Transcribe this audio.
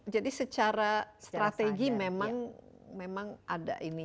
jadi secara strategi memang ada ini ya